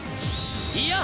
いや！